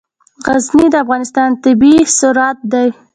غزني د افغانستان طبعي ثروت دی.